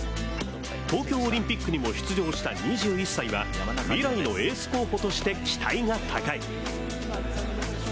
東京オリンピックにも出場した２１歳は未来のエース候補として期待が高い。